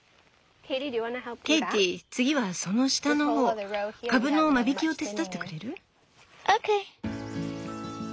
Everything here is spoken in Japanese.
ケイティ次はその下の方カブの間引きを手伝ってくれる？